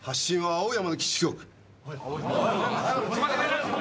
青山。